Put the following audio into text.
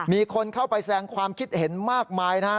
มีคนเข้าไปแสงความคิดเห็นมากมายนะฮะ